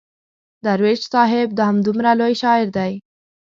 درویش صاحب همدومره لوی شاعر دی.